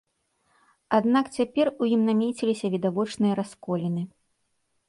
Аднак цяпер у ім намеціліся відавочныя расколіны.